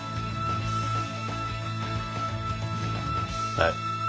はい。